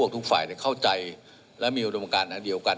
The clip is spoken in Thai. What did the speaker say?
ทุกฝ่ายเข้าใจและมีอุดมการอันเดียวกัน